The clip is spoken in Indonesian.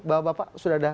bahwa bapak sudah ada